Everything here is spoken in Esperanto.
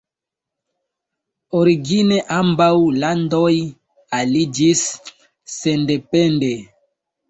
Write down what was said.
Origine ambaŭ landoj aliĝis sendepende.